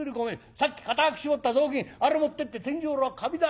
さっき固く絞った雑巾あれ持ってって天井裏はカビだらけ。